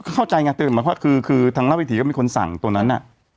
เข้าใจไงคือทางราววิถีก็มีคนสั่งตัวนั้น